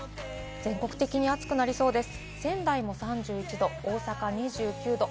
全国的に暑くなりそうです。